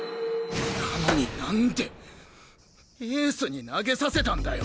なのになんでエースに投げさせたんだよ。